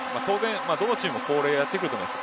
どのチームもこれはやってくると思います。